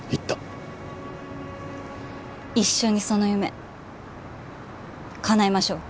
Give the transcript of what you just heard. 一緒にその夢かなえましょう。